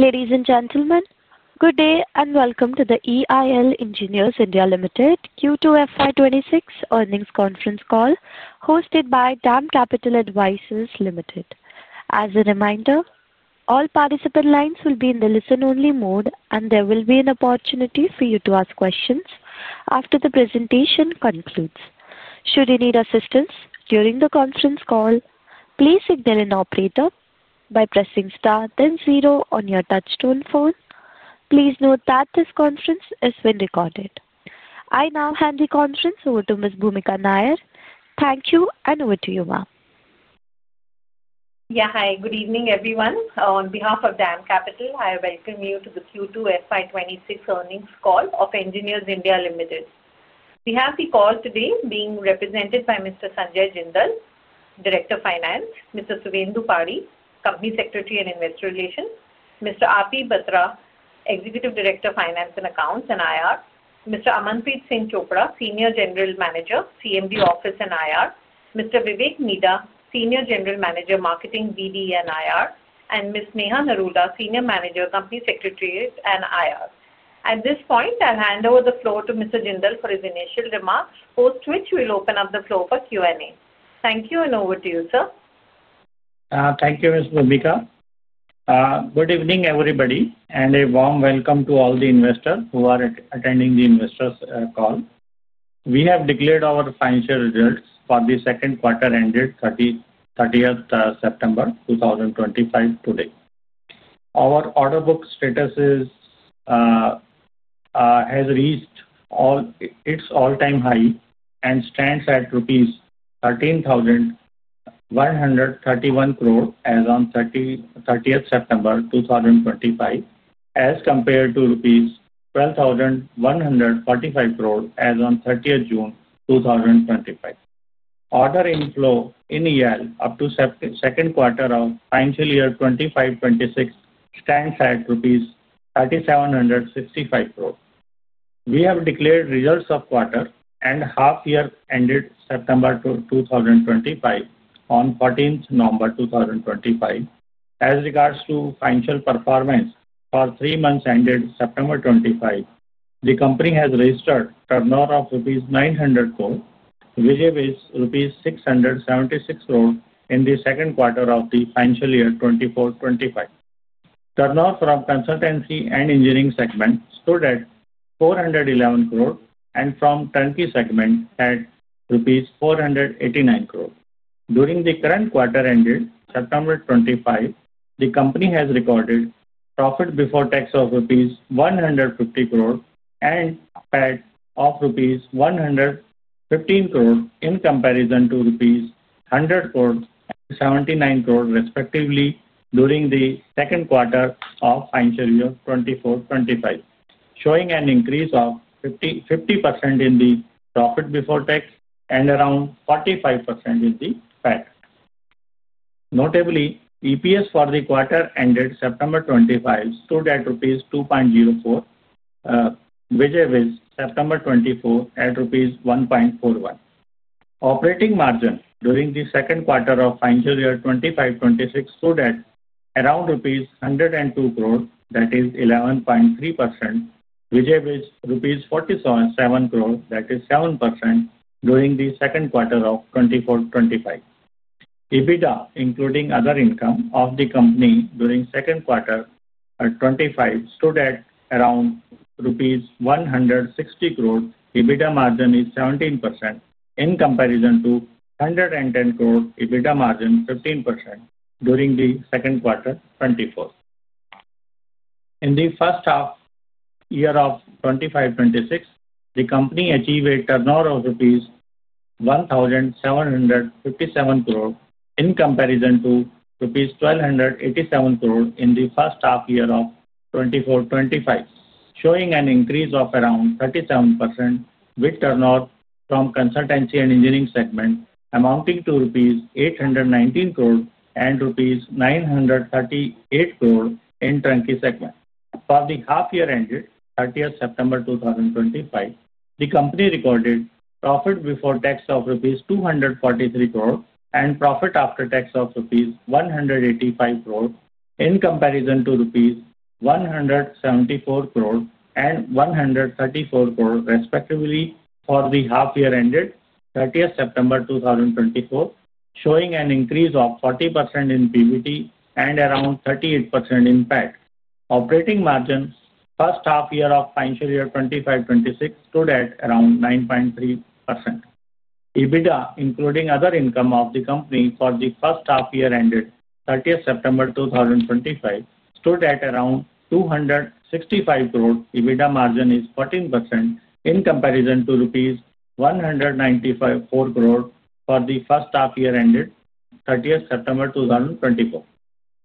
Ladies and gentlemen, good day and welcome to the EIL Engineers India Limited Q2 FY26 earnings conference call hosted by Dam Capital Advisors Limited. As a reminder, all participant lines will be in the listen-only mode, and there will be an opportunity for you to ask questions after the presentation concludes. Should you need assistance during the conference call, please signal an operator by pressing * then zero on your touch-tone phone. Please note that this conference is being recorded. I now hand the conference over to Ms. Bhoomika Nair. Thank you, and over to you, ma'am. Yeah, hi. Good evening, everyone. On behalf of Dam Capital, I welcome you to the Q2 FY26 earnings call of Engineers India Limited. We have the call today being represented by Mr. Sanjay Jindal, Director of Finance, Mr. Subendu Padhi, Company Secretary and Investor Relations, Mr. R.P. Batra, Executive Director of Finance and Accounts and IR, Mr. Amanpreet Singh Chopra, Senior General Manager, CMD Office and IR, Mr. Vivek Midha, Senior General Manager, Marketing BD and IR, and Ms. Neha Narula, Senior Manager, Company Secretary and IR. At this point, I'll hand over the floor to Mr. Jindal for his initial remarks, post which we'll open up the floor for Q&A. Thank you, and over to you, sir. Thank you, Ms. Bhoomika. Good evening, everybody, and a warm welcome to all the investors who are attending the investors' call. We have declared our financial results for the second quarter ended 30 September 2025 today. Our order book status has reached its all-time high and stands at rupees 13,131 crore as of 30 September 2025, as compared to rupees 12,145 crore as of 30 June 2025. Order inflow in EIL up to second quarter of financial year 2025-2026 stands at INR 3,765 crore. We have declared results of quarter and half-year ended September 2025 on 14 November 2025. As regards to financial performance for three months ended September 2025, the company has registered a turnover of rupees 900 crore, which was rupees 676 crore in the second quarter of the financial year 2024-2025. Turnover from consultancy and engineering segment stood at 411 crore, and from turnkey segment at rupees 489 crore. During the current quarter ended September 2025, the company has recorded profit before tax of rupees 150 crore and PAT of rupees 115 crore in comparison to rupees 100 crore and 79 crore, respectively, during the second quarter of financial year 2024-2025, showing an increase of 50% in the profit before tax and around 45% in the PAT. Notably, EPS for the quarter ended September 2025 stood at rupees 2.04, which is September 2024 at rupees 1.41. Operating margin during the second quarter of financial year 2025-2026 stood at around rupees 102 crore, that is 11.3%, which is rupees 47 crore, that is 7%, during the second quarter of 2024-2025. EBITDA, including other income of the company during second quarter 2025, stood at around rupees 160 crore. EBITDA margin is 17% in comparison to 110 crore. EBITDA margin 15% during the second quarter 2024. In the first half year of 2025-2026, the company achieved a turnover of rupees 1,757 crore in comparison to rupees 1,287 crore in the first half year of 2024-2025, showing an increase of around 37% with turnover from consultancy and engineering segment amounting to 819 crore rupees and rupees 938 crore in turnkey segment. For the half-year ended 30th September 2025, the company recorded profit before tax of rupees 243 crore and profit after tax of rupees 185 crore in comparison to rupees 174 crore and 134 crore, respectively, for the half-year ended 30th September 2024, showing an increase of 40% in PBT and around 38% in PAT. Operating margin first half year of financial year 2025-2026 stood at around 9.3%. EBITDA, including other income of the company for the first half year ended 30th September 2025, stood at around 265 crore. EBITDA margin is 14% in comparison to rupees 194 crore for the first half year ended 30 September 2024.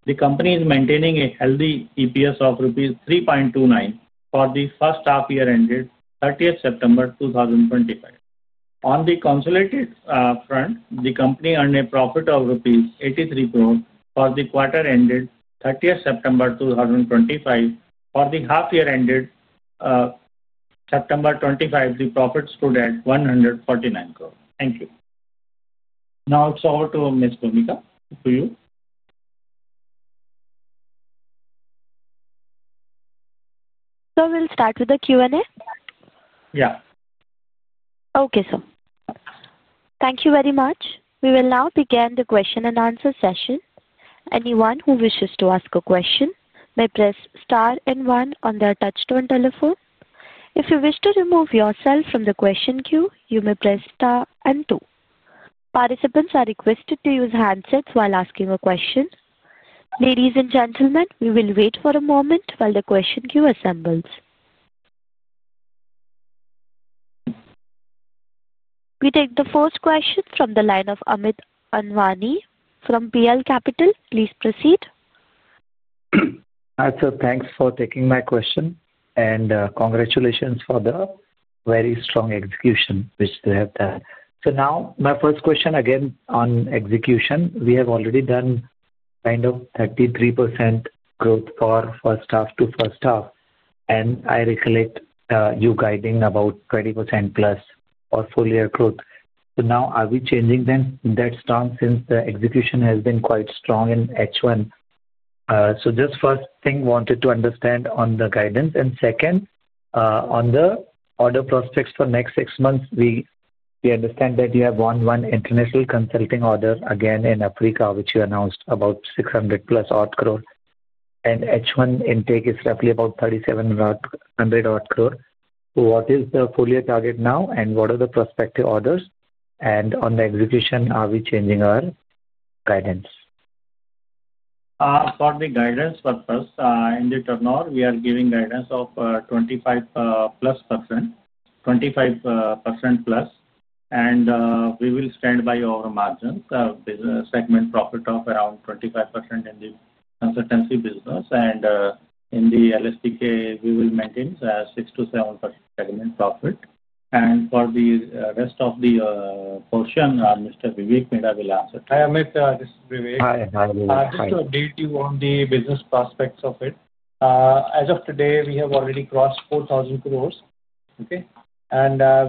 The company is maintaining a healthy EPS of 3.29 for the first half year ended 30 September 2025. On the consolidated front, the company earned a profit of 83 crore rupees for the quarter ended 30 September 2025. For the half-year ended September 2025, the profit stood at 149 crore. Thank you. Now it's over to Ms. Bhoomika. To you. Sir, we'll start with the Q&A. Yeah. Okay, sir. Thank you very much. We will now begin the question and answer session. Anyone who wishes to ask a question may press star and one on their touchstone telephone. If you wish to remove yourself from the question queue, you may press * and two. Participants are requested to use handsets while asking a question. Ladies and gentlemen, we will wait for a moment while the question queue assembles. We take the first question from the line of Amit Anwani from BL Capital. Please proceed. Hi, sir. Thanks for taking my question, and congratulations for the very strong execution which you have done. Now my first question again on execution. We have already done kind of 33% growth for first half to first half, and I recollect you guiding about 20% plus for full year growth. Now are we changing then? That's strong since the execution has been quite strong in H1. Just first thing wanted to understand on the guidance. Second, on the order prospects for next six months, we understand that you have won one international consulting order again in Africa, which you announced about 600 crore plus odd. H1 intake is roughly about 3,700 crore odd. What is the full year target now, and what are the prospective orders? On the execution, are we changing our guidance? For the guidance purpose, in the turnover, we are giving guidance of 25% plus, 25% plus. We will stand by our margins, segment profit of around 25% in the consultancy business. In the LSTK, we will maintain 6-7% segment profit. For the rest of the portion, Mr. Vivek Midha will answer. Hi, Amit. This is Vivek. Hi. Hi, Vivek. I have to update you on the business prospects of it. As of today, we have already crossed 4,000 crore. Okay?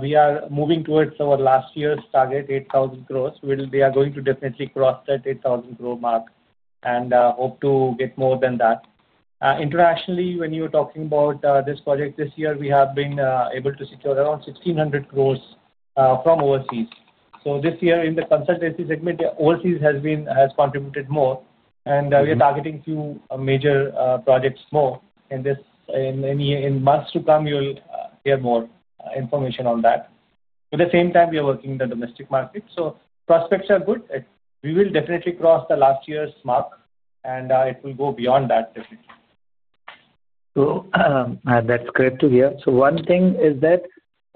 We are moving towards our last year's target, 8,000 crore. They are going to definitely cross that 8,000 crore mark and hope to get more than that. Internationally, when you're talking about this project this year, we have been able to secure around 1,600 crore from overseas. This year, in the consultancy segment, overseas has contributed more. We are targeting a few major projects more. In months to come, you'll hear more information on that. At the same time, we are working in the domestic market. Prospects are good. We will definitely cross the last year's mark, and it will go beyond that, definitely. That's great to hear. One thing is that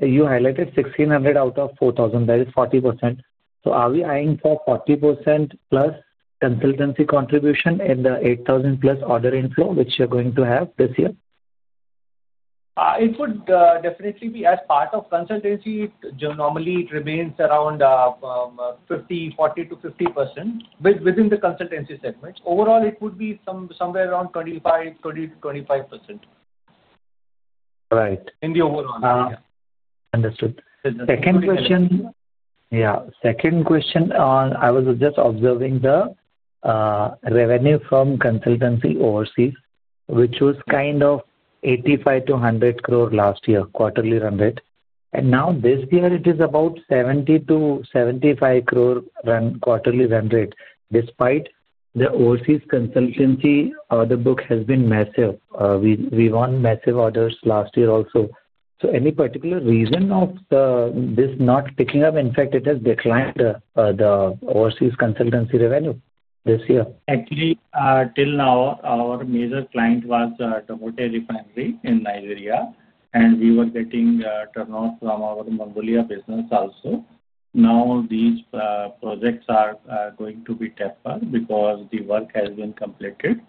you highlighted 1,600 out of 4,000. That is 40%. Are we eyeing for 40%+ consultancy contribution in the 8,000+ order inflow, which you're going to have this year? It would definitely be as part of consultancy. Normally, it remains around 40-50% within the consultancy segment. Overall, it would be somewhere around 20-25% in the overall. Understood. Second question. Yeah. Second question, I was just observing the revenue from consultancy overseas, which was kind of 850 million-1 billion last year, quarterly run rate. And now this year, it is about 700 million-750 million quarterly run rate. Despite the overseas consultancy order book has been massive. We won massive orders last year also. Any particular reason of this not picking up? In fact, it has declined, the overseas consultancy revenue this year. Actually, till now, our major client was Dangote Refinery in Nigeria, and we were getting turnover from our Mongolia business also. Now these projects are going to be tapered because the work has been completed.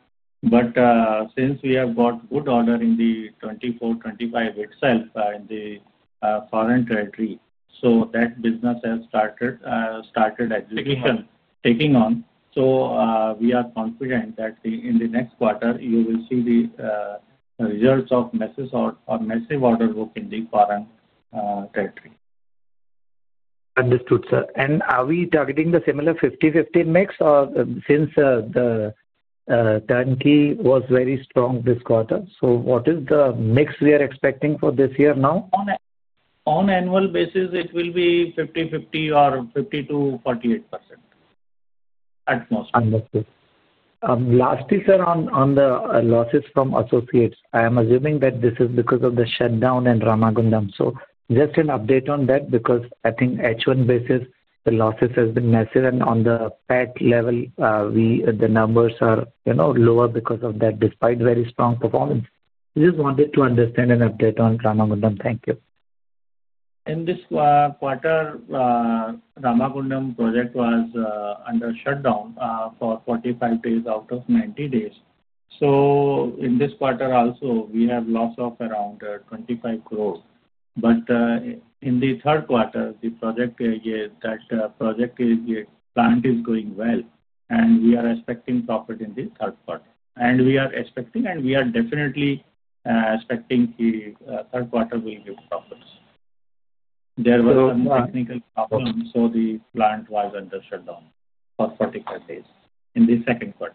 Since we have got good order in 2024-2025 itself in the foreign territory, that business has started execution, taking on. We are confident that in the next quarter, you will see the results of massive order book in the foreign territory. Understood, sir. Are we targeting the similar 50-50 mix, or since the turnkey was very strong this quarter, what is the mix we are expecting for this year now? On annual basis, it will be 50-50 or 50-48% at most. Understood. Lastly, sir, on the losses from associates, I am assuming that this is because of the shutdown and Ramagundam. So just an update on that, because I think H1 basis, the losses have been massive, and on the pay level, the numbers are lower because of that, despite very strong performance. We just wanted to understand an update on Ramagundam. Thank you. In this quarter, Ramagundam project was under shutdown for 45 days out of 90 days. In this quarter also, we have loss of around 25 crore. In the third quarter, the project, that project plant is going well, and we are expecting profit in the third quarter. We are expecting, and we are definitely expecting the third quarter will give profits. There were some technical problems, so the plant was under shutdown for 45 days in the second quarter.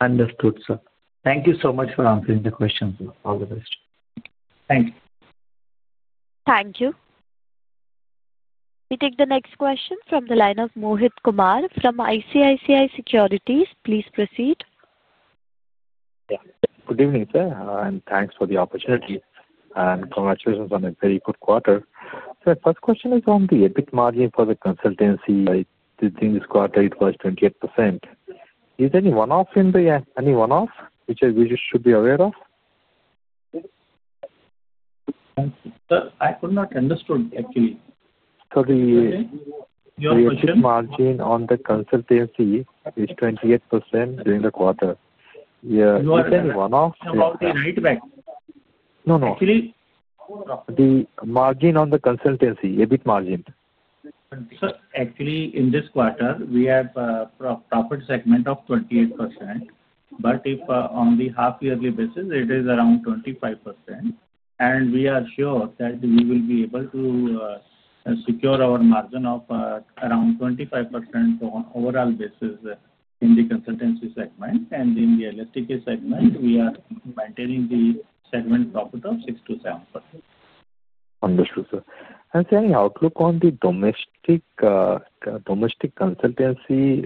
Understood, sir. Thank you so much for answering the questions. All the best. Thank you. Thank you. We take the next question from the line of Mohit Kumar from ICICI Securities. Please proceed. Yeah. Good evening, sir. Thanks for the opportunity. Congratulations on a very good quarter. Sir, first question is on the EBIT margin for the consultancy. I think this quarter it was 28%. Is there any one-off, any one-off which we should be aware of? Sir, I could not understand, actually. The EBIT margin on the consultancy is 28% during the quarter. Is there any one-off? About the right back. No, no. Actually. The margin on the consultancy, EBIT margin. Sir, actually, in this quarter, we have a profit segment of 28%. If on the half-yearly basis, it is around 25%. We are sure that we will be able to secure our margin of around 25% on overall basis in the consultancy segment. In the LSTK segment, we are maintaining the segment profit of 6-7%. Understood, sir. Has any outlook on the domestic consultancy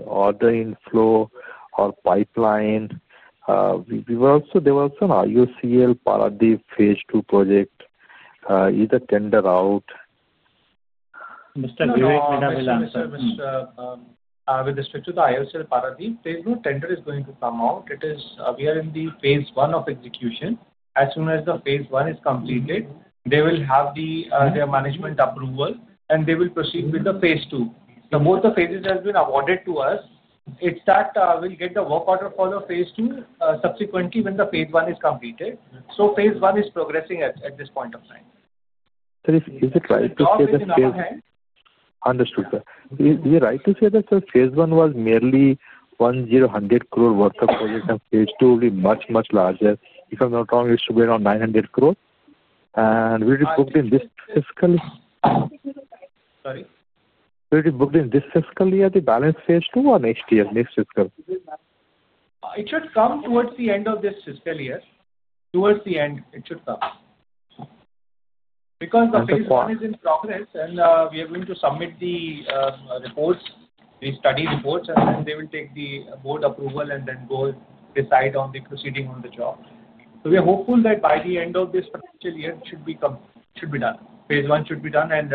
order inflow or pipeline? There was an IOCL Paradip phase two project. Is the tender out? Mr. Vivek Midha will answer. Sir, with respect to the IOCL Paradip, there's no tender is going to come out. We are in the phase one of execution. As soon as the phase one is completed, they will have their management approval, and they will proceed with the phase two. Both the phases have been awarded to us. It's that we'll get the work order for the phase two subsequently when the phase one is completed. Phase one is progressing at this point of time. Sir, is it right to say that phase? It's working on our hands. Understood, sir. Is it right to say that phase one was merely 100 crore worth of project, and phase two will be much, much larger? If I'm not wrong, it should be around 900 crore. Will it be booked in this fiscal year? Sorry? Will it be booked in this fiscal year, the balance phase two, or next year, next fiscal? It should come towards the end of this fiscal year. Towards the end, it should come. Because the phase one is in progress, and we are going to submit the reports, the study reports, and then they will take the board approval and then decide on the proceeding on the job. We are hopeful that by the end of this financial year, it should be done. Phase one should be done, and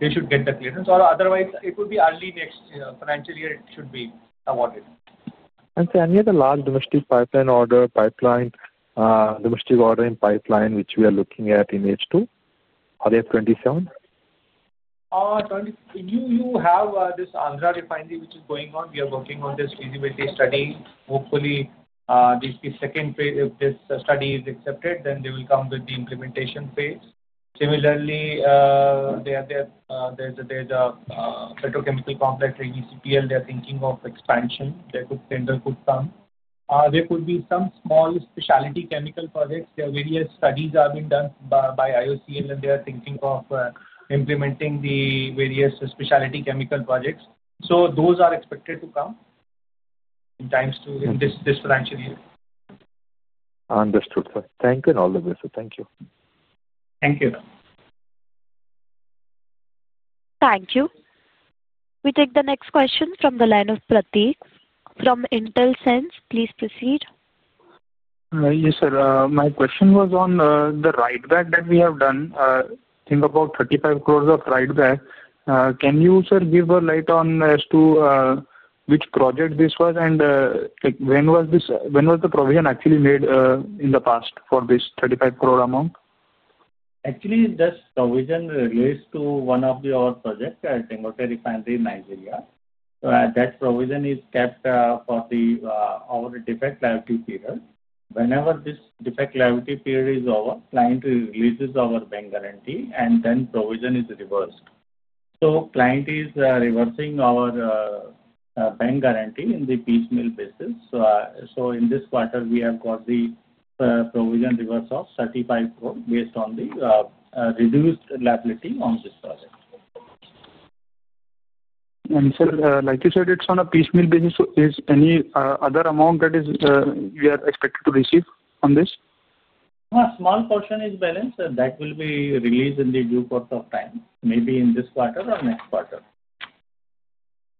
they should get the clearance. Otherwise, it would be early next financial year it should be awarded. Sir, any other large domestic pipeline order, pipeline, domestic ordering pipeline which we are looking at in H2 or FY 2027? You have this Andhra refinery which is going on. We are working on this feasibility study. Hopefully, if this study is accepted, then they will come with the implementation phase. Similarly, there's a petrochemical complex, AGCPL. They are thinking of expansion. Their tender could come. There could be some small specialty chemical projects. There are various studies that have been done by IOCL, and they are thinking of implementing the various specialty chemical projects. Those are expected to come in times too in this financial year. Understood, sir. Thank you and all the best, sir. Thank you. Thank you. Thank you. We take the next question from the line of Prateek from IntelSense, please proceed. Yes, sir. My question was on the write-back that we have done. Think about 350 million of write-back. Can you, sir, give a light on as to which project this was and when was the provision actually made in the past for this 350 million amount? Actually, this provision relates to one of your projects, Dangote Refinery in Nigeria. That provision is kept for the defect liability period. Whenever this defect liability period is over, client releases our bank guarantee, and then provision is reversed. Client is reversing our bank guarantee on a piecemeal basis. In this quarter, we have got the provision reversed of 35 crore based on the reduced liability on this project. Sir, like you said, it's on a piecemeal basis. Is there any other amount that you are expected to receive on this? Small portion is balanced. That will be released in the due course of time, maybe in this quarter or next quarter.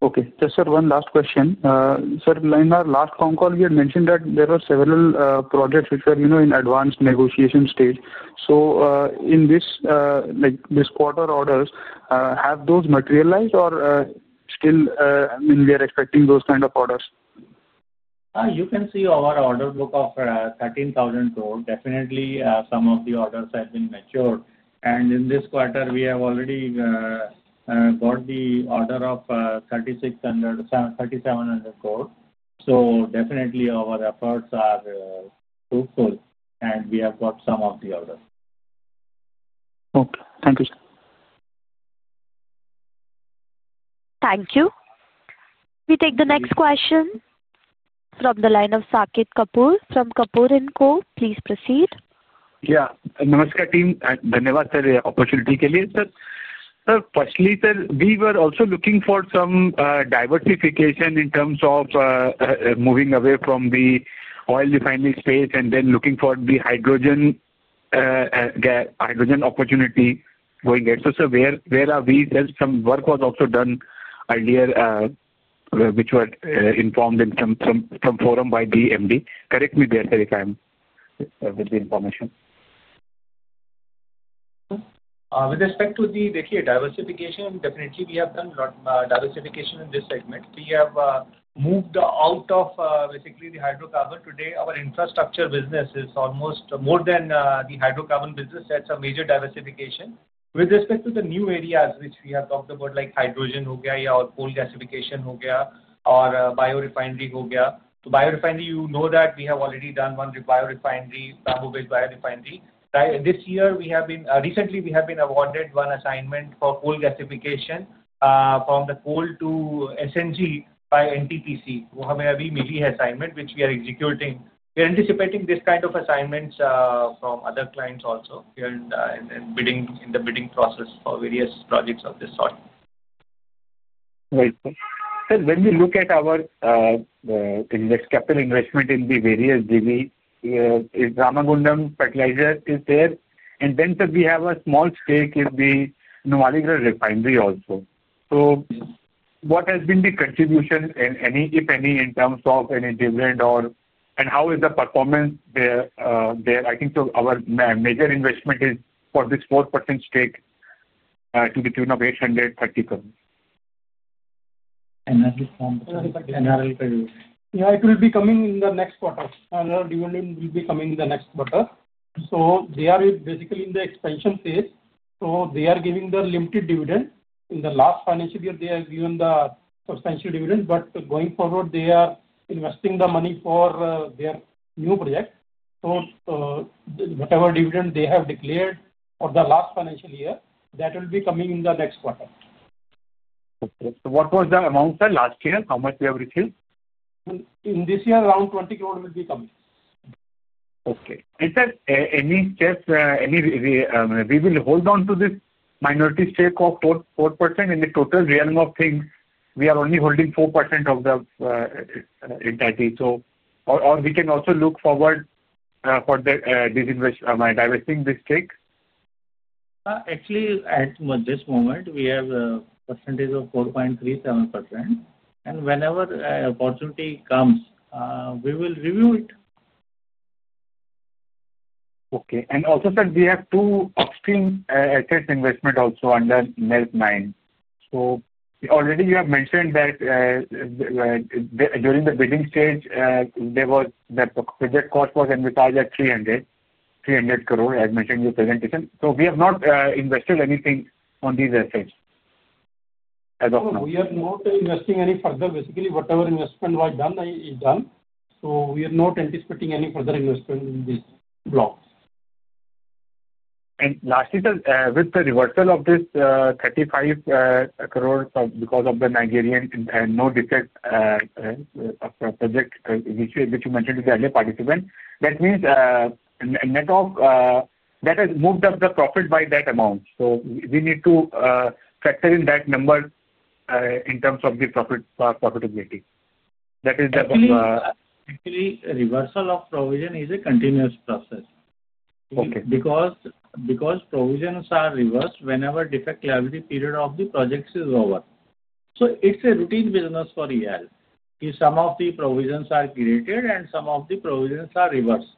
Okay. Just, sir, one last question. Sir, in our last phone call, we had mentioned that there were several projects which were in advance negotiation stage. In this quarter orders, have those materialized or still, I mean, we are expecting those kind of orders? You can see our order book of 13,000 crore. Definitely, some of the orders have been matured. In this quarter, we have already got the order of 3,700 crore. Definitely, our efforts are fruitful, and we have got some of the orders. Okay. Thank you, sir. Thank you. We take the next question from the line of Saket Kapoor from Kapoor Info, please proceed. Yeah. नमस्कार team. धन्यवाद, sir, opportunity के लिए, sir. Sir, firstly, sir, we were also looking for some diversification in terms of moving away from the oil refinery space and then looking for the hydrogen, hydrogen opportunity going ahead. So, sir, where are we? There some work was also done earlier, which were informed in some form by the MD. Correct me there, sir, if I am with the information. With respect to the, Sanket, diversification, definitely, we have done diversification in this segment. We have moved out of, basically, the hydrocarbon. Today, our infrastructure business is almost more than the hydrocarbon business. That is a major diversification. With respect to the new areas, which we have talked about, like hydrogen ho gaya ya aur coal gasification ho gaya aur bio refinery ho gaya. To bio refinery, you know, that we have already done one bio refinery, bamboo-based bio refinery. That this year, we have been recently, we have been awarded one assignment for coal gasification from the coal to SNG by NTPC. Wo humein abhi mili hai assignment, which we are executing. We are anticipating this kind of assignments from other clients also and in the bidding process for various projects of this sort. Right, sir. Sir, when we look at our capital investment in the various, Ramagundam Fertilizer is there. Then, sir, we have a small stake in the Numaligarh Refinery also. What has been the contribution, if any, in terms of any dividend or and how is the performance there? I think so, our major investment is for this 4% stake to the tune of 8.3 billion. NRI? Yeah, it will be coming in the next quarter. NRL dividend will be coming in the next quarter. They are basically in the expansion phase. They are giving the limited dividend. In the last financial year, they have given the substantial dividend. Going forward, they are investing the money for their new project. Whatever dividend they have declared for the last financial year, that will be coming in the next quarter. OK. So, what was the amount, sir, last year? How much have we received? this year, around 200 million will be coming. OK. And, sir, any step, any, we will hold on to this minority stake of 4%. In the total real of things, we are only holding 4% of the entity. So, and we can also look forward for this, diversing this stake? Actually, at this moment, we have percentage of 4.37%. Whenever opportunity comes, we will review it. OK. And also, sir, we have two upstream assets investment also under NELP IX. So, already, you have mentioned that during the building stage, there was the project cost was and with us at 300 crore, as mentioned in the presentation. So, we have not invested anything on these assets. No, we are not investing any further. Basically, whatever investment was done, is done. We are not anticipating any further investment in this block. And lastly, sir, with the reversal of this 350,000,000 because of the Nigerian no defect project, which you mentioned to the early participant, that means net of that has moved up the profit by that amount. So, we need to factor in that number in terms of the profit profitability. That is the. Actually, reversal of provision is a continuous process. Because provisions are reversed whenever defect liability period of the project is over. It is a routine business for EIL. Some of the provisions are created and some of the provisions are reversed.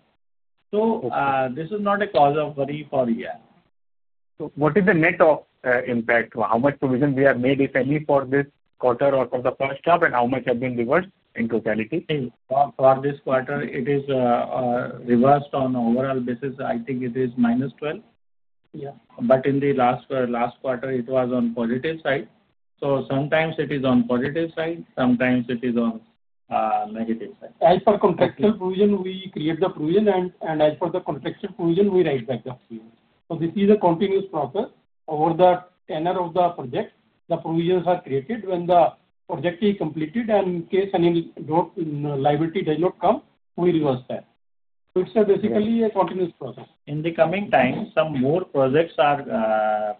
This is not a cause of worry for EIL. What is the net of impact? How much provision we have made, if any, for this quarter or for the first term, and how much have been reversed in totality? For this quarter, it is reverse on overall basis. I think it is minus 12. Yeah, but in the last quarter, it was on positive side. Sometimes it is on positive side, sometimes it is on negative side. As per contractual provision, we create the provision, and as per the contractual provision, we write back the provision. This is a continuous process over the tenure of the project. The provisions are created when the project is completed, and in case any liability does not come, we reverse that. It is basically a continuous process. In the coming time, some more projects are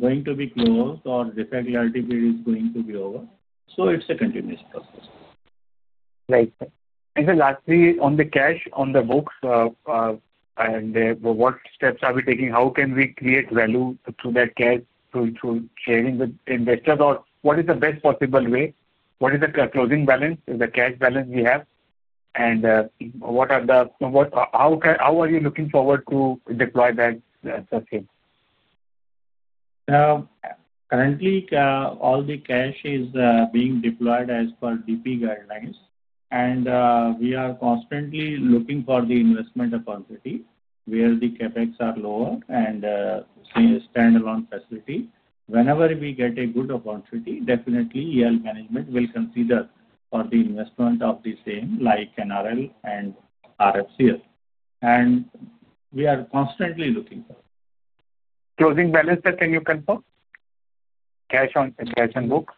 going to be closed, and Defect Liability Period is going to be over. It is a continuous process. Right, sir. And sir, lastly, on the cash, on the books, and what steps are we taking? How can we create value through that cash, through sharing with investors? And what is the best possible way? What is the closing balance? Is the cash balance we have? And what are the, how are you looking forward to deploy that? Currently, all the cash is being deployed as per DPE guidelines, and we are constantly looking for the investment opportunity, where the CapEx are lower, and stand alone facility. Whenever we get a good opportunity, definitely, EIL management will consider for the investment of the same, like NRL and RFCL. We are constantly looking for. Closing balance, sir, can you confirm? Cash on cash and books?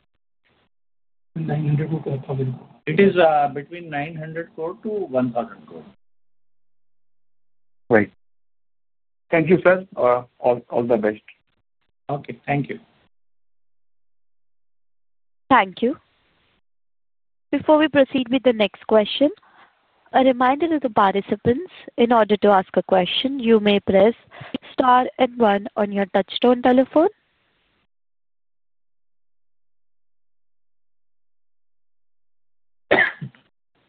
INR 900 crore. It is between INR 900 crore-INR 1,000 crore. Right. Thank you, sir. All the best. OK, thank you. Thank you. Before we proceed with the next question, a reminder to the participants, in order to ask a question, you may press * and one on your touchstone telephone.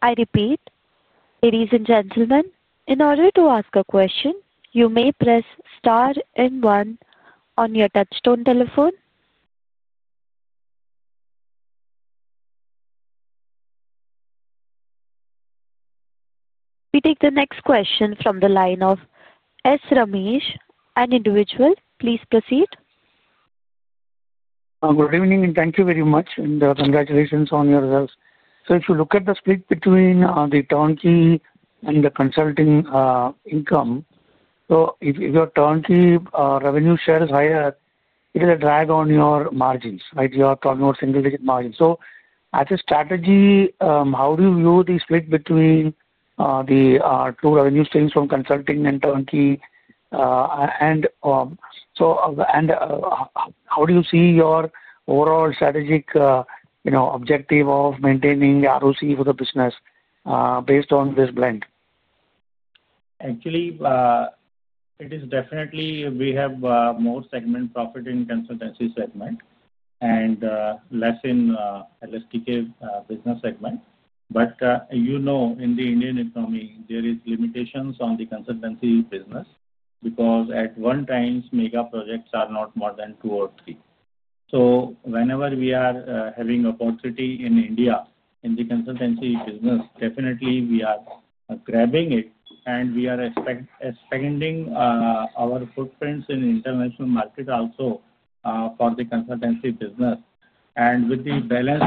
I repeat, ladies and gentlemen, in order to ask a question, you may press star and one on your touchstone telephone. We take the next question from the line of S Ramesh, an individual. Please proceed. Good evening, and thank you very much, and congratulations on yourself. So, if you look at the split between the turnkey and the consulting income, so if your turnkey revenue share is higher, it is a drag on your margin, right? You are talking about single digit margin. As a strategy, how do you view the split between the two revenue streams from consulting and turnkey? And how do you see your overall strategic, you know, objective of maintaining ROC for the business based on this blend? Actually, it is definitely, we have more segment profit in consultancy segment, and less in LSTK business segment. But, you know, in the Indian economy, there is limitations on the consultancy business, because at one times, mega projects are not more than two or three. So, whenever we are having opportunity in India, in the consultancy business, definitely, we are grabbing it, and we are expanding our footprints in international market also for the consultancy business. And with the balance,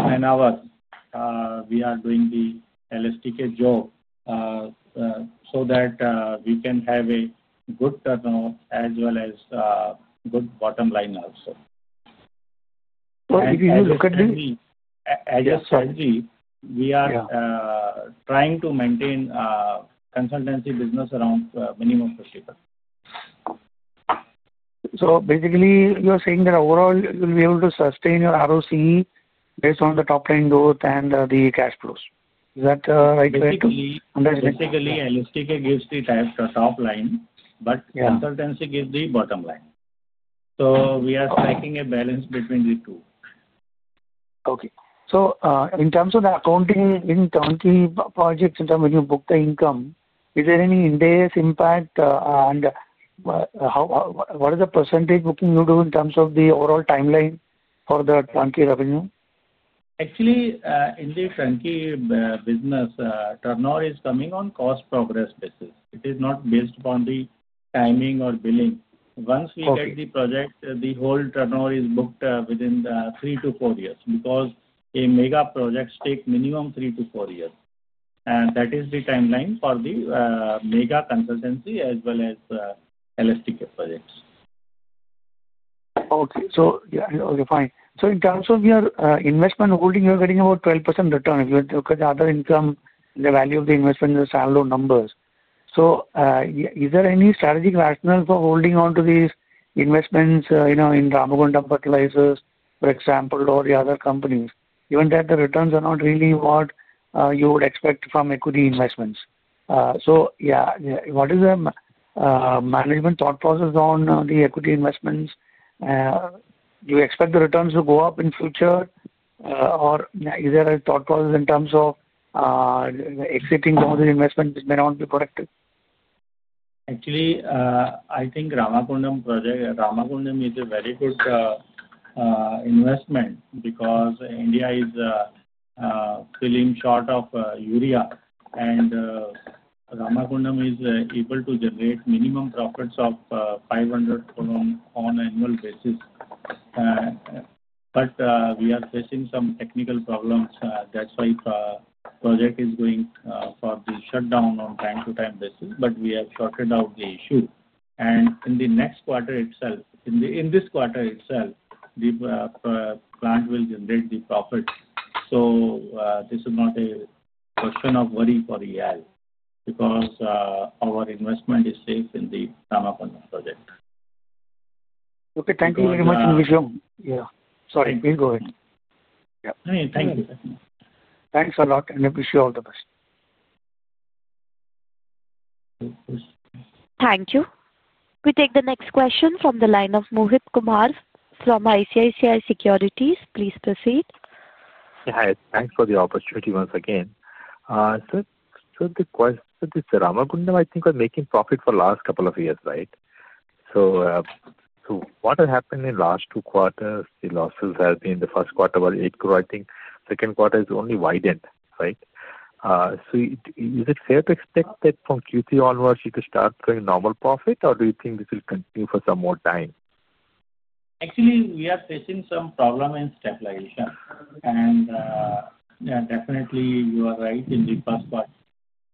we are doing the LSTK job, so that we can have a good turnover, as well as good bottom line also. If you look at this. As a strategy, we are trying to maintain consultancy business around minimum 50%. Basically, you are saying that overall, you will be able to sustain your ROC based on the top line growth and the cash flows. Is that right way to? Basically, LSTK gives the top line, but consultancy gives the bottom line. We are striking a balance between the two. OK. So, in terms of the accounting in turnkey projects, in terms of you book the income, is there any IndAS impact? And what is the percentage booking you do in terms of the overall timeline for the turnkey revenue? Actually, in the turnkey business, turnover is coming on cost progress basis. It is not based upon the timing or billing. Once we get the project, the whole turnover is booked within three to four years, because a mega project takes minimum three to four years, and that is the timeline for the mega consultancy, as well as LSTK projects. OK. OK, fine. In terms of your investment holding, you are getting about 12% return. If you look at the other income, the value of the investment in the standalone numbers, is there any strategic rationale for holding on to these investments, you know, in Ramagundam Fertilizers, for example, and the other companies? Even that the returns are not really what you would expect from equity investments. What is the management thought process on the equity investments? You expect the returns to go up in future? Is there a thought process in terms of exiting the investment? It may not be productive. Actually, I think Ramagundam project, Ramagundam is a very good investment, because India is filling short of urea, and Ramagundam is able to generate minimum profits of 500 crore on annual basis. But, we are facing some technical problems, that's why project is going for the shutdown on time to time basis. But, we have sorted out the issue, and in the next quarter itself, in this quarter itself, the plant will generate the profit. This is not a question of worry for EIL, because our investment is safe in the Ramagundam project. OK, thank you very much, and wish you, yeah, sorry, please go ahead. No, thank you. Thanks a lot, and wish you all the best. Thank you. We take the next question from the line of Mohit Kumar from ICICI Securities. Please proceed. Hi, thanks for the opportunity once again. So, the question is, Ramagundam, I think, was making profit for last couple of years, right? So, what have happened in last two quarters? The losses have been, the first quarter was 80 million, I think, second quarter is only widened, right? So, is it fair to expect that from Q3 onward, she could start to a normal profit? Or do you think this will continue for some more time? Actually, we are facing some problem in stabilization, and definitely, you are right, in the first quarter,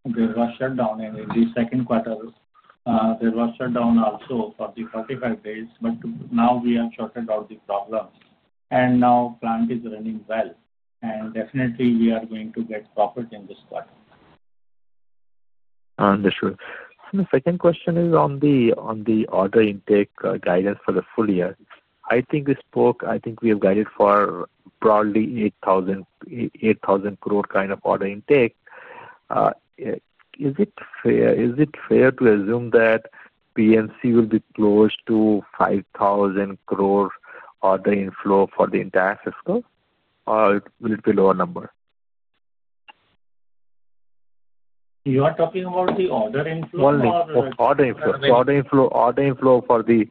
there was shutdown, and in the second quarter, there was shutdown also for the 45 days. But now, we have sorted out the problem, and now, plant is running well, and definitely, we are going to get profit in this quarter. Second question is on the order intake guidance for the full year. I think we spoke, I think, we have guided for broadly 8,000 crore kind of order intake. Is it fair, is it fair to assume that PMC will be close to 5,000 crore order inflow for the intercycle? Or will it be lower number? You are talking about the order inflow for the. inflow, order inflow, order inflow for the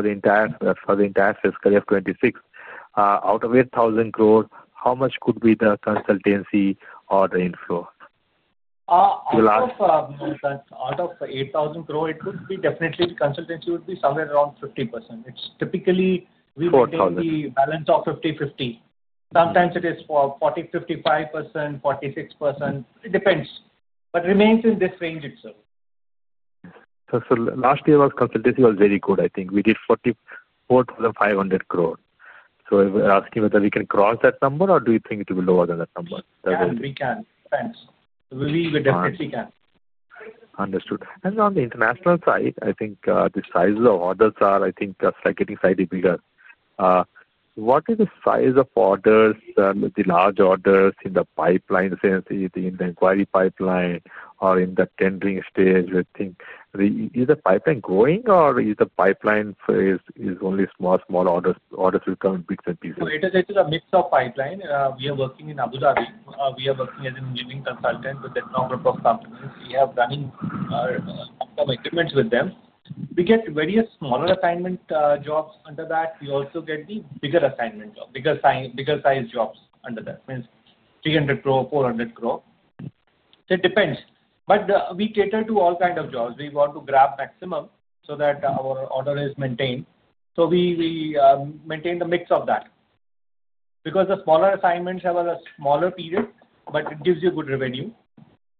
intercycle FY26. Out of 8,000 crore, how much could be the consultancy order inflow? Out of 8,000 crore, it could be definitely, consultancy will be somewhere around 50%. It's typically, we will be balance of 50-50. Sometimes, it is 40-55%, 46%. It depends, but remains in this range itself. last year was consultancy was very good, I think, we did 4,500 crore. So, asking whether we can cross that number, or do you think it will be lower than that number? We can, thanks. We definitely can. Understood. On the international side, I think the size of orders are, I think, start getting slightly bigger. What is the size of orders, the large orders in the pipeline, in the inquiry pipeline, and in the tendering stage? I think, is the pipeline growing, or is the pipeline only small, small orders, orders will come in bits and pieces? is a mix of pipeline. We are working in Abu Dhabi. We are working as an engineering consultant with a number of companies. We have running long-term agreements with them. We get various smaller assignment jobs under that. We also get the bigger assignment job, bigger size jobs under that. Means 300 crore, 400 crore. It depends, but we cater to all kind of jobs. We want to grab maximum, so that our order is maintained. We maintain the mix of that, because the smaller assignments have a smaller period, but it gives you good revenue.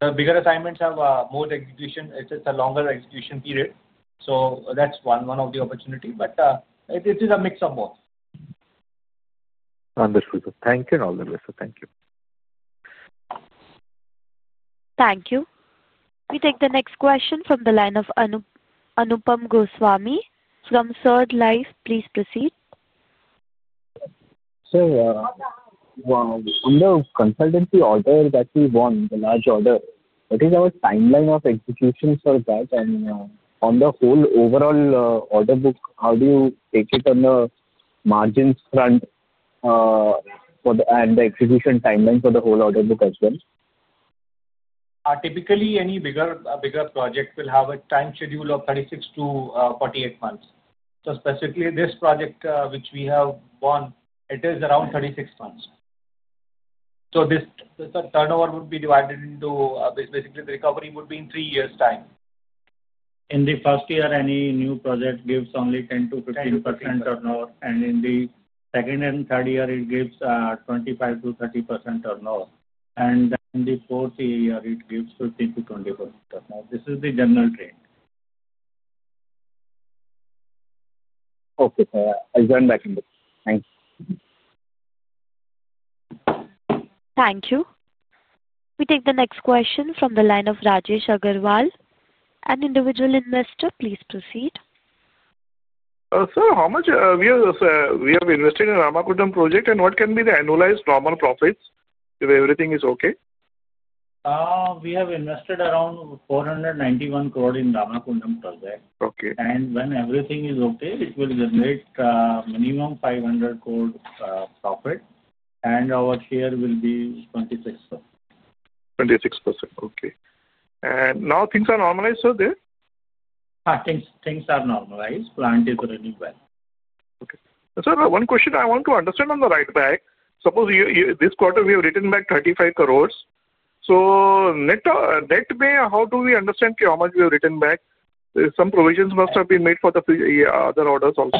The bigger assignments have more execution. It is a longer execution period. That is one of the opportunity, but it is a mix of both. Understood. Thank you in all the way. So, thank you. Thank you. We take the next question from the line of Anupam Goswami from Sard Life. Please proceed. On the consultancy order that we want, the large order, what is our timeline of execution for that? On the whole overall order book, how do you take it on the margin front, and the execution timeline for the whole order book as well? Typically, any bigger, bigger project will have a time schedule of 36-48 months. Specifically, this project, which we have won, it is around 36 months. This turnover would be divided into, basically, the recovery would be in three years' time. In the first year, any new project gives only 10-15% turnover, and in the second and third year, it gives 25-30% turnover, and in the fourth year, it gives 15-20% turnover. This is the general trend. OK, sir. I will join back in this. Thank you. Thank you. We take the next question from the line of Rajesh Agarwal, an individual investor. Please proceed. Sir, how much we have invested in Ramagundam project, and what can be the annual normal profits, if everything is okay? have invested around 491 crore in Ramagundam project. When everything is okay, it will generate minimum 500 crore profit, and our share will be 26%. 26%. Okay. And now, things are normalized, sir? There? Haan, things are normalized. Plant is running well. OK. Sir, one question. I want to understand on the write-back. Suppose, this quarter, we have written back 350 million. Net-net, how do we understand that how much we have written back? Some provisions must have been made for the other orders also.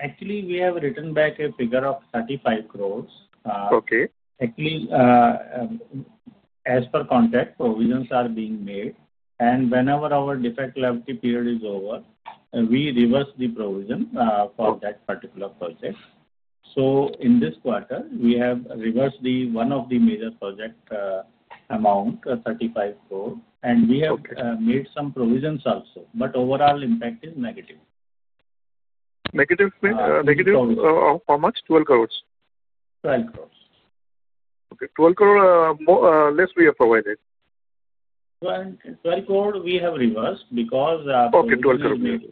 Actually, we have written back a figure of 350 million. Actually, as per contract, provisions are being made, and whenever our defect liability period is over, we reverse the provision for that particular project. In this quarter, we have reversed the one of the major project amount, 350 million, and we have made some provisions also. Overall impact is negative. mein negative, how much? INR 120 million. 12 crore. OK. 120 million less, we have provided. 120 million, we have reversed, because. INR 120 million.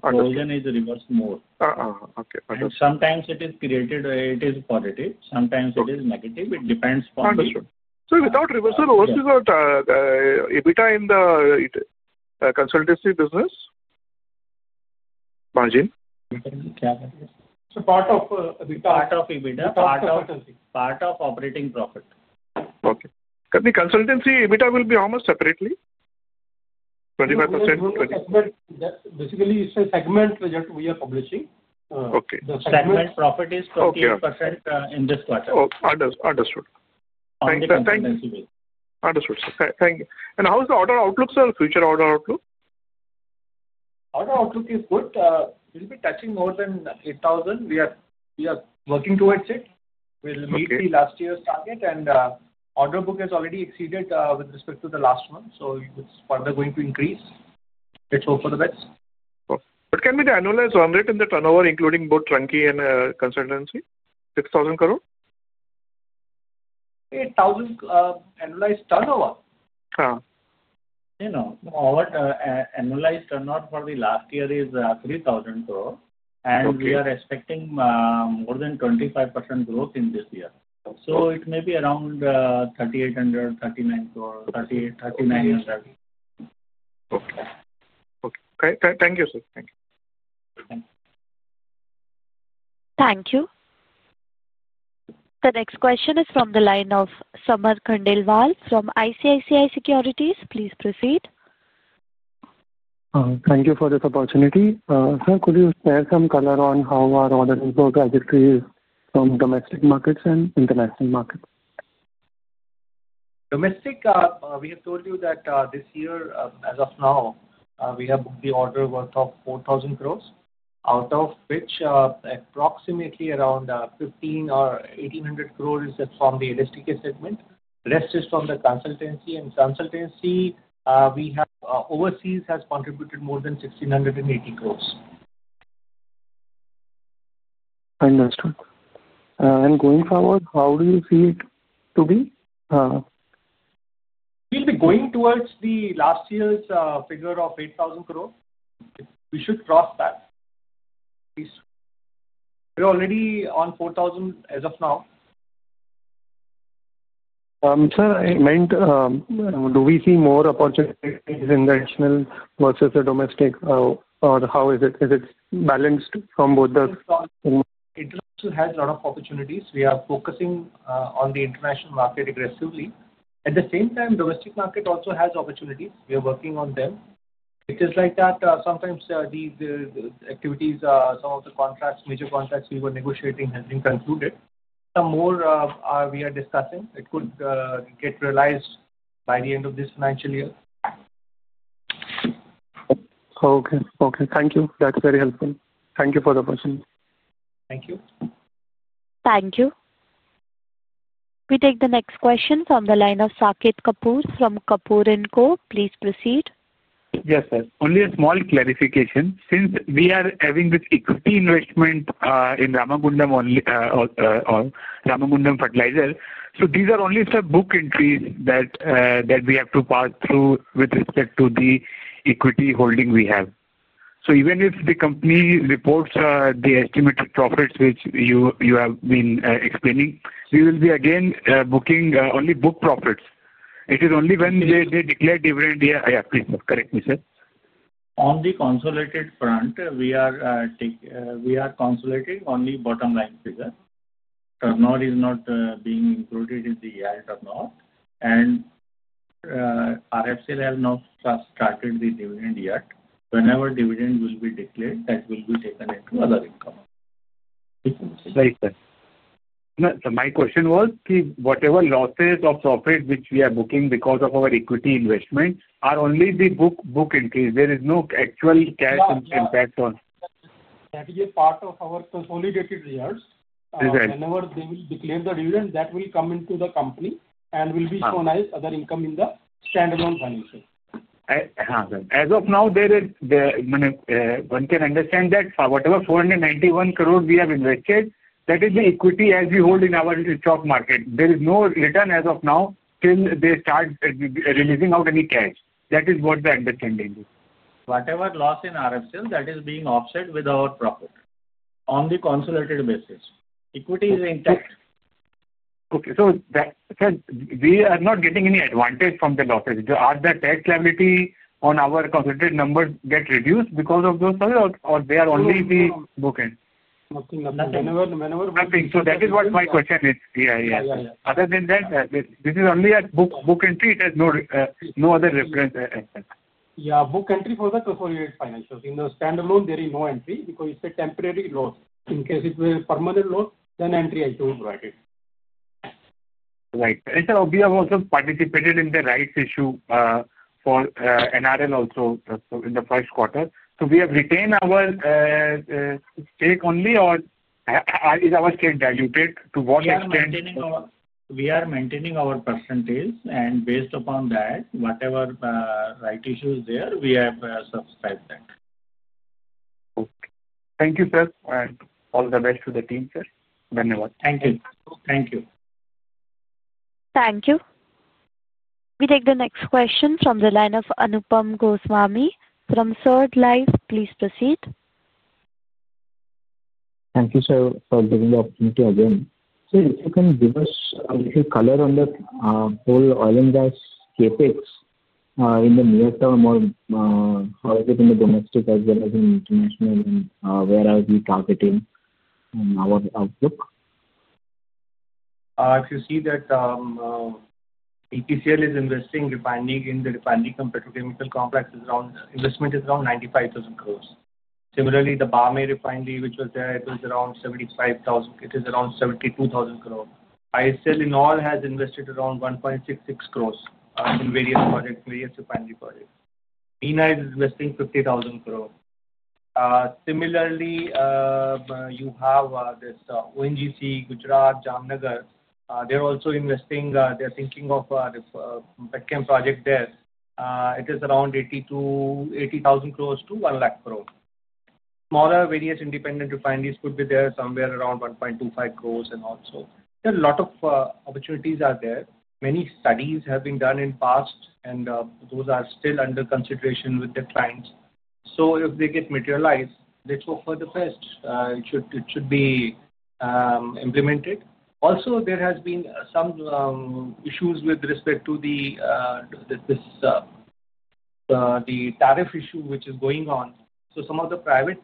Provision is reversed more. Okay. Okay. And sometimes, it is created, it is positive. Sometimes, it is negative. It depends upon the. Understood. So, without reversal, what is the EBITDA in the consultancy business margin? क्या? So, part of EBITDA, part of part of operating profit. OK. Consultancy EBITDA will be almost separately 25%. Basically, it's a segment result, we are publishing. The segment profit is 28% in this quarter. Understood. Thank you. Thank you. Understood. Sir, thank you. And how is the order outlook, sir? Future order outlook? Order outlook is good. Will be touching more than 8,000. We are, we are working towards it. Will meet the last year target, and order book has already exceeded with respect to the last one. It's further going to increase. Let's hope for the best. can we analyze on rate in the turnover, including both turnkey and consultancy? INR 6,000 crore? 8000 analyze turnover? हां. You know, our analyzed turnover for the last year is 3,000 crore, and we are expecting more than 25% growth in this year. It may be around 3,800, 3,900. Okay. Okay. Thank you, sir. Thank you. you. The next question is from the line of Sumer Khandelwal from ICICI Securities. Please proceed. Thank you for this opportunity. Sir, could you share some color on how our order is going to track from domestic markets and international market? told you that this year, as of now, we have booked the order worth of 4,000 crore, out of which approximately around 1,500 crore is from the LSTK segment. Rest is from the consultancy, and consultancy, we have overseas, has contributed more than 1,680 crore. Understood. And going forward, how do you see it to be? be going towards the last year figure of 8,000 crore. We should cross that. We are already on INR 4,000 as of now. Sir, I mean, do we see more opportunity international versus domestic, or how is it? Is it balanced from both the? International has lot of opportunities. We are focusing on the international market aggressively. At the same time, domestic market also has opportunities. We are working on them. It is like that, sometimes, the activities, some of the contracts, major contracts, we were negotiating, having concluded. Some more, we are discussing. It could get realized by the end of this financial year. Okay. Thank you. That is very helpful. Thank you for the question. Thank you. Thank you. We take the next question from the line of Saket Kapoor from Kapoor and Co. Please proceed. Yes, sir. Only a small clarification. Since we are having this equity investment in Ramagundam, only Ramagundam Fertilizers. So, these are only, sir, book entries that we have to pass through with respect to the equity holding we have. So, even if the company reports the estimated profits, which you have been explaining, we will be again booking only book profits. It is only when they declare dividend. Yeah, yeah, please correct me, sir. On the consolidated front, we are taking, we are consolidating only bottom line figure. Turnover is not being included in the year turnover, and RFCL has not started the dividend yet. Whenever dividend will be declared, that will be taken into other income. Right, sir. Sir, my question was ki whatever losses of profit, which we are booking because of our equity investment, are only the book book entries. There is no actual cash impact on. That is a part of our consolidated results. Whenever they will declare the dividend, that will come into the company and will be shown as other income in the standalone financial. Yes, sir. As of now, there is, I mean, one can understand that whatever 491 crore we have invested, that is the equity as we hold in our stock market. There is no return as of now, till they start releasing out any cash. That is what the understanding is. Whatever loss in RFCL, that is being offset with our profit on the consolidated basis. Equity is intact. Okay. Sir, we are not getting any advantage from the losses. Are the tax liability on our consolidated number get reduced because of those, or they are only the book entry? Nothing. Nothing. That is what my question is. Yeah, yeah. Other than that, this is only a book entry. It has no other reference as such. Yeah, book entry for the consolidated financial. In the standalone, there is no entry, because it's a temporary loss. In case it were permanent loss, then entry has to be provided. Right. Sir, we have also participated in the rights issue for NRL also in the first quarter. We have retained our stake only, and is our stake diluted to what extent? We are maintaining our percentage, and based upon that, whatever right issue is there, we have subscribed that. OK. Thank you, sir. And all the best to the team, sir. Dhanyavaad. Thank you. Thank you. Thank you. We take the next question from the line of Anupam Goswami from Sard Life. Please proceed. Thank you, sir, for giving the opportunity again. Sir, if you can give us a color on the whole oil and gas CapEx in the near term, and how is it in the domestic, as well as in international, and where are we targeting in our outlook? investing refining in the refining petrochemical complex, is around investment, is around 95,000 crore. Similarly, the Barmer refinery, which was there, it was around 75,000. It is around 72,000 crore. IOCL in all has invested around 1.66 lakh crore in various projects, various refinery projects. MENA is investing 50,000 crore. Similarly, you have this ONGC Gujarat Jamnagar. They are also investing. They are thinking of the PEM project there. It is around 82,000 crore to 1,000 crore. Smaller various independent refineries could be there, somewhere around 1.25 lakh crore and also. There are a lot of opportunities are there. Many studies have been done in past, and those are still under consideration with the clients. If they get materialized, let's go for the best. It should, it should be implemented. Also, there has been some issues with respect to this, this, the tariff issue, which is going on. Some of the private,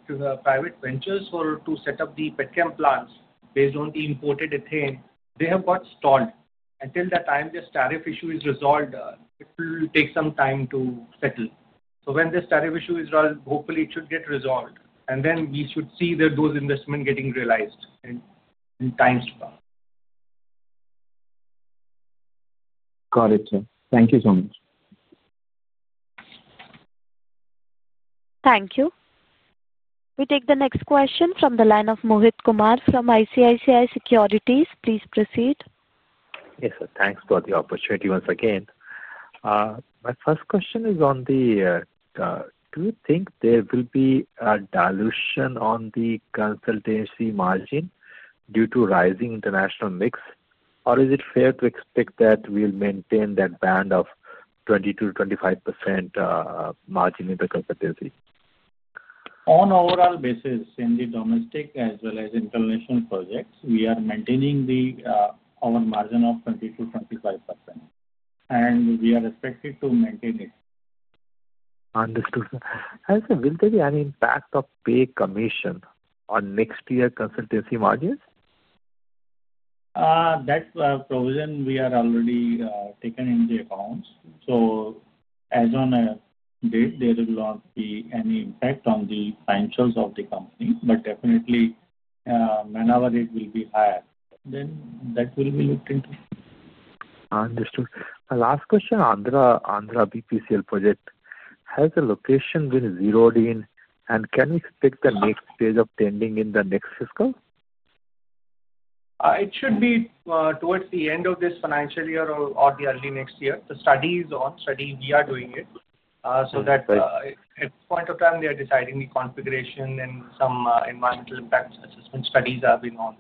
private ventures, for to set up the PEM plants, based on the imported ethane, they have got stalled. Until the time this tariff issue is resolved, it will take some time to settle. When this tariff issue is resolved, hopefully, it should get resolved. Then we should see those investment getting realized in times to come. Got it, sir. Thank you so much. Thank you. We take the next question from the line of Mohit Kumar from ICICI Securities. Please proceed. Yes, sir. Thanks for the opportunity once again. My first question is on the, do you think there will be a dilution on the consultancy margin due to rising international mix, or is it fair to expect that we will maintain that band of 22-25% margin in the consultancy? On overall basis, in the domestic as well as international projects, we are maintaining our margin of 22-25%, and we are expected to maintain it. Understood. Sir, sir, will there be any impact of pay commission on next year consultancy margins? That provision we are already taken in the account. So, as on the date, there will not be any impact on the financials of the company, but definitely, whenever it will be higher, then that will be looked into. Understood. Last question, Andhra, Andhra BPCL project has a location with zero dean, and can we expect the next stage of tendering in the next fiscal? It should be towards the end of this financial year, or the early next year. The study is on, study we are doing it, so that at the point of time, they are deciding the configuration and some environmental impact assessment studies are being on.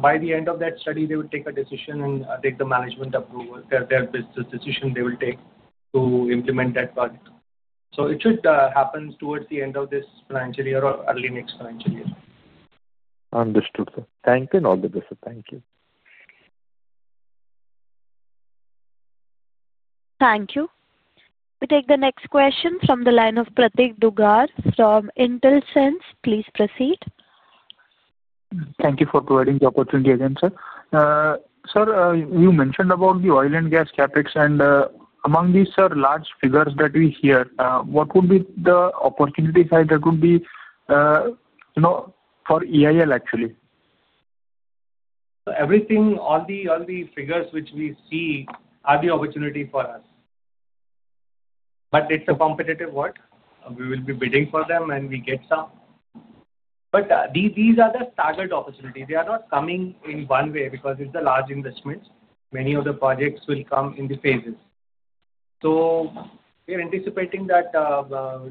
By the end of that study, they will take a decision and take the management approval. This decision they will take to implement that project. It should happen towards the end of this financial year, or early next financial year. Understood. Sir, thank you and all the best. Sir, thank you. Thank you. We take the next question from the line of Prateek Dugar from IntelSense. Please proceed. Thank you for providing the opportunity again, sir. Sir, you mentioned about the oil and gas CapEx, and among this, sir, large figures that we hear, what would be the opportunity side that would be, you know, for EIL actually? Everything, all the, all the figures which we see are the opportunity for us. But it's a competitive world. We will be bidding for them, and we get some. But these are the started opportunity. They are not coming in one way, because it's a large investment. Many of the projects will come in the phases. We are anticipating that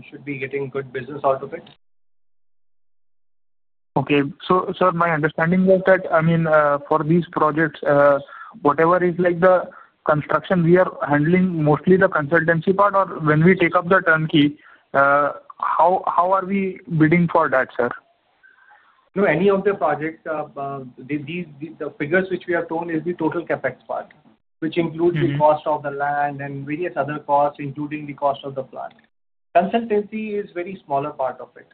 should be getting good business out of it. OK. So, sir, my understanding is that, I mean, for these projects, whatever is like the construction, we are handling mostly the consultancy part, and when we take up the turnkey, how, how are we bidding for that, sir? You know, any of the projects, these, the figures, which we have told, is the total CapEx part, which includes the cost of the land and various other costs, including the cost of the plant. Consultancy is a very smaller part of it.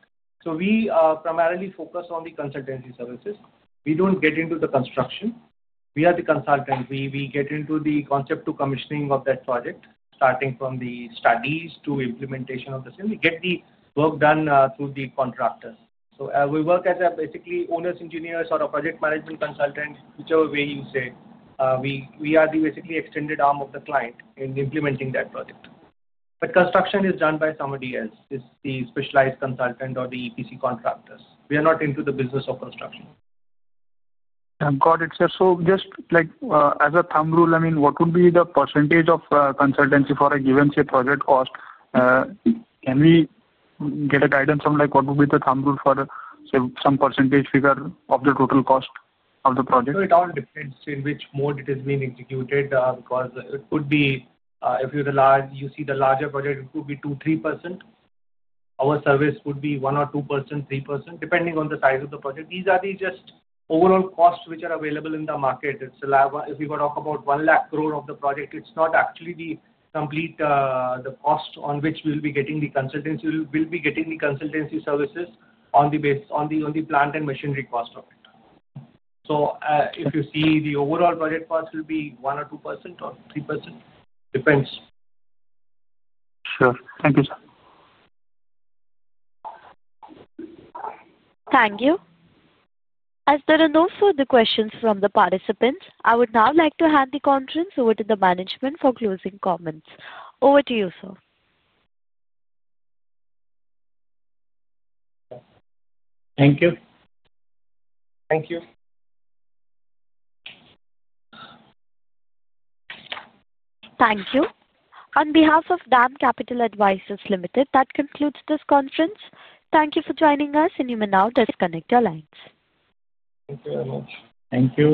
We primarily focus on the consultancy services. We do not get into the construction. We are the consultant. We get into the concept to commissioning of that project, starting from the studies to implementation of the same. We get the work done through the contractors. We work as basically owner's engineers or a project management consultant, whichever way you say. We are basically the extended arm of the client in implementing that project. Construction is done by somebody else, is the specialized consultant or the EPC contractors. We are not into the business of construction. Got it, sir. So, just like as a thumb rule, I mean, what would be the % of consultancy for a given, say, project cost? Can we get a guidance on like what would be the thumb rule for some % figure of the total cost of the project? It all depends in which mode it is being executed, because it could be, if you, the large, you see the larger project, it could be 2-3%. Our service could be 1 or 2%, 3%, depending on the size of the project. These are the just overall cost, which are available in the market. It's all, if you talk about 1 lakh crore of the project, it's not actually the complete, the cost on which we will be getting the consultancy. We will be getting the consultancy services on the base, on the, on the plant and machinery cost of it. So, if you see, the overall project cost will be 1 or 2% or 3%. Depends. Sir. Thank you, sir. Thank you. As there are no further questions from the participants, I would now like to hand the conference over to the management for closing comments. Over to you, sir. Thank you. Thank you. Thank you. On behalf of Dam Capital Advisors, that concludes this conference. Thank you for joining us, and you may now just disconnect your lines. Thank you very much. Thank you.